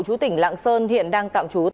chú tỉnh lạng sơn hiện đang tạm trú